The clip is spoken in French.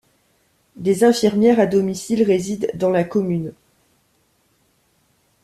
Des infirmières à domicile résident dans la commune.